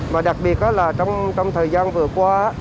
mà đặc biệt là trong thời gian vừa qua